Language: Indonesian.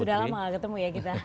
udah lama gak ketemu ya kita